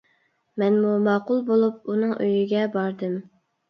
مەنمۇ ماقۇل بولۇپ ئۇنىڭ ئۆيىگە باردىم.